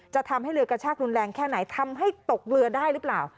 จะทำให้เรือกระชากรุนแรงแค่ไหนทำให้ตกเรือได้หรือเปล่า